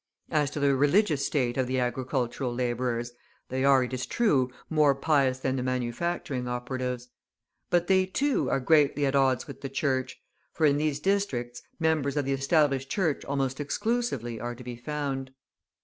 As to the religious state of the agricultural labourers, they are, it is true, more pious than the manufacturing operatives; but they, too, are greatly at odds with the Church for in these districts members of the Established Church almost exclusively are to be found.